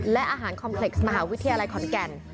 และอาหารคอมเพล็กซ์มหาวิทยาลัยขอนแก่น